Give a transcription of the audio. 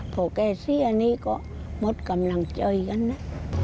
พอแกเสียนี่ก็หมดกำลังใจกันนะ